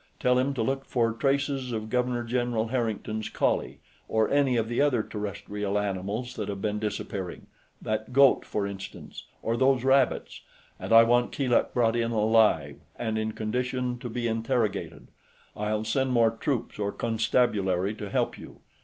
Tell him to look for traces of Governor General Harrington's collie, or any of the other terrestrial animals that have been disappearing that goat, for instance, or those rabbits. And I want Keeluk brought in, alive and in condition to be interrogated. I'll send more troops, or Constabulary, to help you."